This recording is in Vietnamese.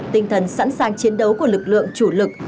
tinh thần sẵn sàng chiến đấu của lực lượng chủ lực